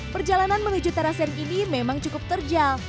perjalanan menuju terasering ini memang cukup terjal